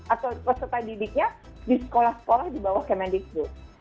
atau peserta didiknya di sekolah sekolah di bawah kemendikbud